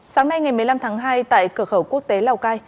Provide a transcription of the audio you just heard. sáng nay ngày một mươi năm tháng hai tại cửa khẩu quốc tế lào cai